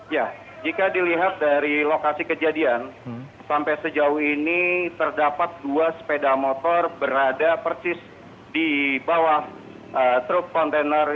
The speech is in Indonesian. ya jika dilihat dari lokasi kejadian sampai sejauh ini terdapat dua sepeda motor berada persis di bawah truk kontainer